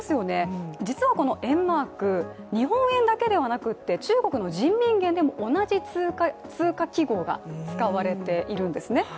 実はこの￥、日本円だけではなくて中国の人民元でも同じ通貨記号が使われているんですね。